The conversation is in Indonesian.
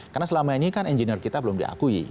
karena selama ini kan engineer kita belum diakui